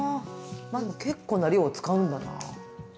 結構な量を使うんだな。